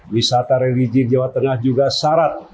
wisata religi jawa tengah juga syarat